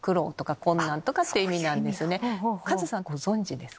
カズさんご存じですか？